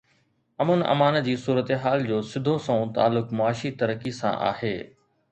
امن امان جي صورتحال جو سڌو سنئون تعلق معاشي ترقي سان آهي.